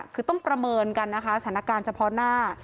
คือต้องประเมินกันนะคะสถานการณ์เฉพาะหน้า